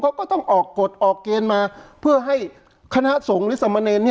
เขาก็ต้องออกกฎออกเกณฑ์มาเพื่อให้คณะสงฆ์หรือสมเนร